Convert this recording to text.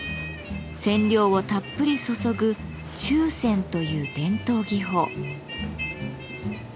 染料をたっぷり注ぐ「注染」という伝統技法。